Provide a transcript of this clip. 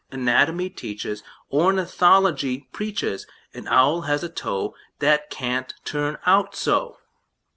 Anatomy teaches, Ornithology preaches An owl has a toe That can't turn out so!